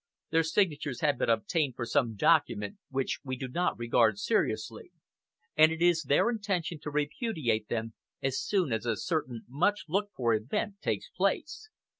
Their signatures have been obtained for some document which we do not regard seriously, and it is their intention to repudiate them as soon as a certain much looked for event takes place.